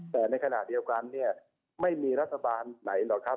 แต่ในขณะเดียวกันเนี่ยไม่มีรัฐบาลไหนหรอกครับ